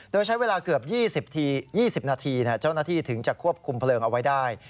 โดยใช้เวลาเกือบ๒๐นาทีเจ้าหน้าที่ถึงจะควบคุมเพลิงเอาไว้ได้